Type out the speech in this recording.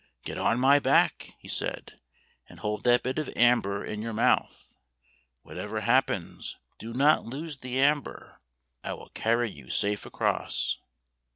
" Get on my back," he said, " and hold the bit of amber in your mouth. What ever happens, do not lose the amber. I will carry you safe across."